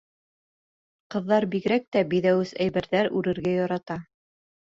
Ҡыҙҙар бигерәк тә биҙәүес әйберҙәр үрергә ярата.